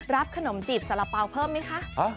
ขนมจีบสาระเป๋าเพิ่มไหมคะ